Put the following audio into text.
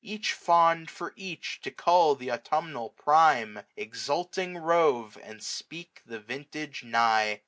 Each fond for each to cull th' autumnal prime, 695 Exulting rove, and speak the vintage nigh.